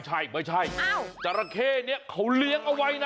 ใครไม่ใช่จาระเคเค้าเลี้ยงเอาไว้นะ